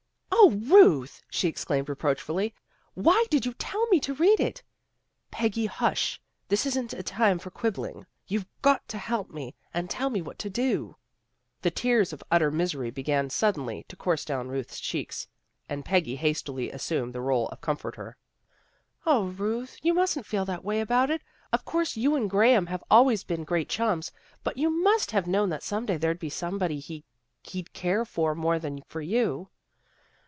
" 0, Ruth," she exclaimed reproachfully, " why did you tell me to read it? " "Peggy, hush! This isn't a time for quibbling. You've got to help me and tell me what to do." The tears of utter misery began suddenly to course down Ruth's cheeks, and Peggy hastily assumed the role of comforter. " 0, Ruth! You mustn't feel that way about it. Of course you and Graham have always been great chums, but you must have known that some day there' d be somebody he'd care for more than for you."